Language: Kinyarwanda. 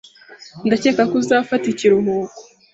Ndakeka ko uzafata ikiruhuko